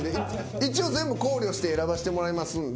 一応全部考慮して選ばしてもらいますんで。